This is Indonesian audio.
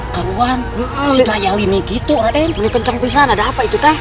karuan si daya lini gitu adek pencang pisang ada apa itu teh